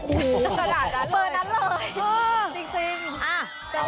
โอ้โหเปอร์นั้นเลยจริง